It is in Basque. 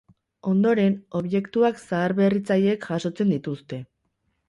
Ondoren objektuak zaharberritzaileek jasotzen dituzte.